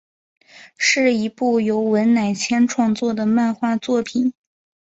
是一部由文乃千创作的漫画作品。